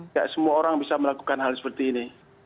tidak semua orang bisa melakukan hal seperti ini